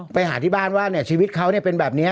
ไปหาที่บ้านว่าชีวิตเขาเป็นแบบนี้